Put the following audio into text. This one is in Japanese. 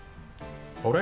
あれ？